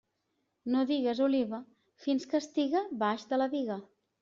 No digues oliva fins que estiga baix de la biga.